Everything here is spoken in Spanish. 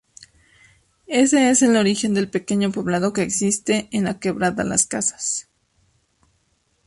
Ese es el origen del pequeño poblado que existe en Quebrada Las Casas.